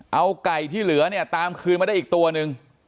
เอาไก่ที่เหลือเนี่ยตามคืนมาได้อีกตัวนึง